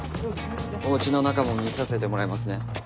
お家の中も見させてもらいますね。